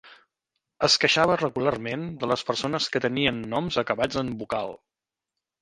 Es queixava regularment de les persones que tenien noms acabats en vocal.